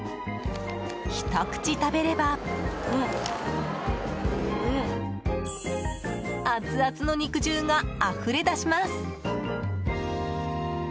ひと口食べればアツアツの肉汁があふれ出します。